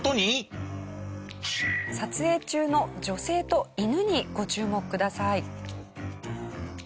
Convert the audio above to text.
撮影中の女性と犬にご注目ください。